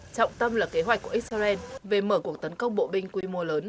trọng tâm là kế hoạch của israel về mở cuộc tấn công bộ binh quy mô lớn